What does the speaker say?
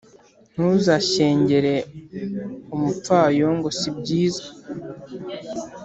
Ntuzashyengere umupfayongo sibyiza